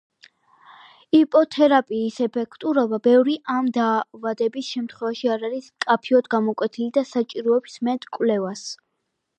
იპოთერაპიის ეფექტურობა ბევრი ამ დაავადების შემთხვევაში არ არის მკაფიოდ გამოკვეთილი და საჭიროებს მეტ კვლევას.